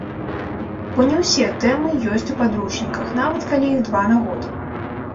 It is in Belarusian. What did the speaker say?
Бо не ўсе тэмы ёсць у падручніках, нават калі іх два на год.